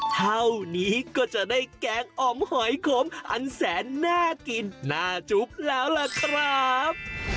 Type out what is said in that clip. เท่านี้ก็จะได้แกงอ่อมหอยขมอันแสนน่ากินน่าจุ๊บแล้วล่ะครับ